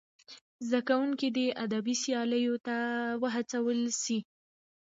زدهکوونکي دې ادبي سیالیو ته وهڅول سي.